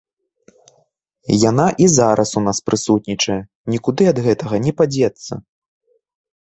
Яна і зараз у нас прысутнічае, нікуды ад гэтага не падзецца.